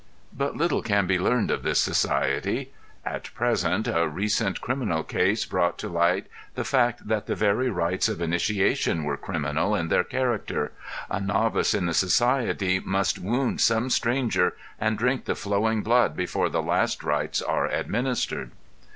But little can be learned of this society, at present a recent criminal cases brought to light the fact that the very rites of initiation were criminal in their character, a novice in the society must wound some stranger and drink the flowing blood before the last rites are administered.